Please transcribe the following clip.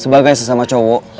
sebagai sesama cowo